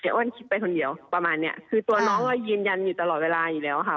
อ้อนคิดไปคนเดียวประมาณเนี้ยคือตัวน้องก็ยืนยันอยู่ตลอดเวลาอยู่แล้วค่ะ